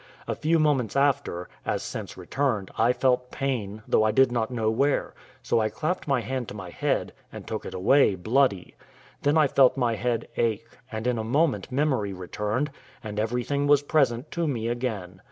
A few moments after, as sense returned, I felt pain, though I did not know where; so I clapped my hand to my head, and took it away bloody; then I felt my head ache: and in a moment memory returned, and everything was present to me again.